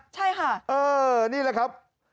ใช่ค่ะเออนี่แหละครับ